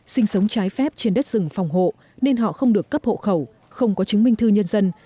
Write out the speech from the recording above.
sinh sống trái phép trên đất rừng phòng hộ nên họ không được cấp hộ khẩu không có chứng minh thư nhân dân